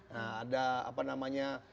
nah ada apa namanya